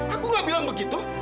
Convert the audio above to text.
aku gak bilang begitu